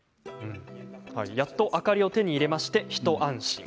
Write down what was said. やっと明かりを手に入れて一安心。